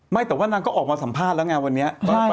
แต่ว่านางก็ออกมาสัมภาษณ์แล้วไงวันนี้